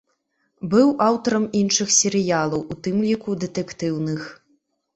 Быў аўтарам іншых серыялаў, у тым ліку дэтэктыўных.